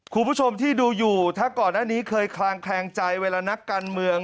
คุณผู้ชมที่ดูอยู่ถ้าก่อนหน้านี้เคยคลางแคลงใจเวลานักการเมือง